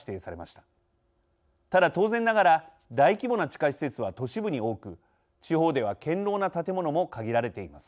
ただ、当然ながら大規模な地下施設は都市部に多く地方では、堅ろうな建物も限られています。